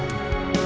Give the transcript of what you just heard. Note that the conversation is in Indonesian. aku harus bisa